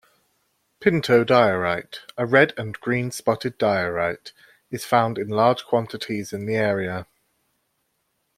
Pinto diorite, a red-and-green spotted diorite, is found in large quantities in the area.